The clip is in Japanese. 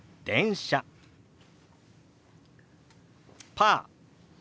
「パー」。